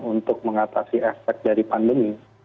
untuk mengatasi efek dari pandemi